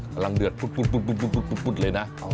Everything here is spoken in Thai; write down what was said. กำลังเดือดปุ๊ดเลยนะ